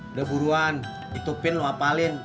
udah buruan itu pin lo apalin